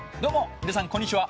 皆さんこんにちは。